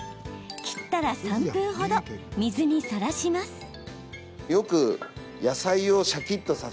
切ったら３分ほど水にさらします。